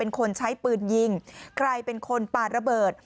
เป็นคนใช้ปืนยิงใครเป็นคนปาระเบิด